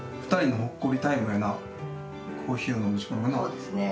そうですね。